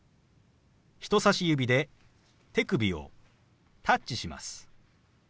人さし指で手首をタッチします。